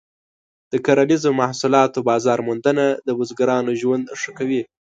د کرنیزو محصولاتو بازار موندنه د بزګرانو ژوند ښه کوي.